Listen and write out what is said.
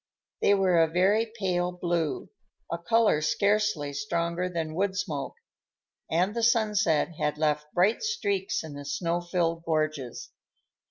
They were a very pale blue, a color scarcely stronger than wood smoke, and the sunset had left bright streaks in the snow filled gorges.